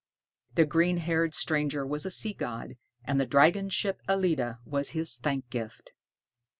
The green haired stranger was a sea god, and the dragon ship "Ellide" was his thank gift.